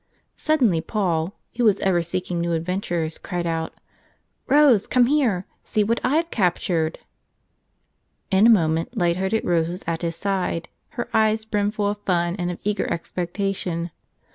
Sud¬ denly Paul, who was ever seeking new adven¬ tures, cried out: "Rose, come here! See what I've captured!" In a moment light hearted Rose was at his side, her eyes brimful of fun and of eager expectation.